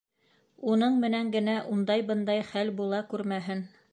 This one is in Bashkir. Уның менән генә ундай-бындай хәл була күрмәһен!